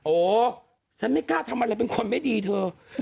โอ้ฉันไม่กล้าทำอะไรเป็นคนไม่ดีเธอ